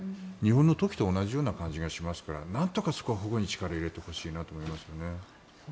日本のトキと同じような感じがしますからなんとかそこは保護に力を入れてほしいなと思います。